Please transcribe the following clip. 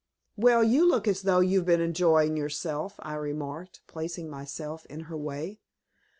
"Well, you look as though you had been enjoying yourself," I remarked, placing myself in her way.